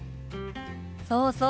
そうそう。